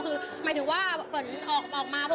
ออกมาเพราะว่าเราอยากจะโฟกัสกับตัวเองมากเลยค่ะ